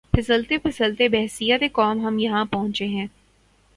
پھسلتے پھسلتے بحیثیت قوم ہم یہاں پہنچے ہیں۔